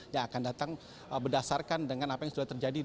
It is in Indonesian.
yang akan datang berdasarkan dengan apa yang sudah terjadi